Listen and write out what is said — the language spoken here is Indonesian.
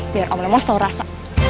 biar om lemas tau rasa